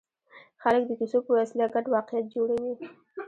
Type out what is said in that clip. خلک د کیسو په وسیله ګډ واقعیت جوړوي.